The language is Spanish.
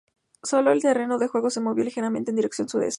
Solo el terreno de juego se movió ligeramente en dirección sudeste.